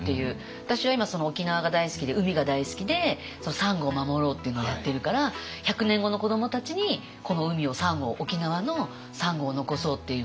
私は今沖縄が大好きで海が大好きでサンゴを守ろうっていうのをやってるから１００年後の子どもたちにこの海をサンゴを沖縄のサンゴを残そうっていうので。